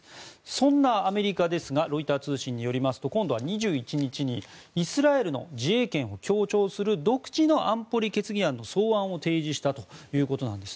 そんなアメリカですがロイター通信によりますと今度は２１日にイスラエルの自衛権を強調する独自の安保理決議案の草案を提示したということなんです。